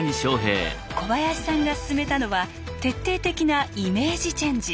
小林さんが進めたのは徹底的なイメージチェンジ。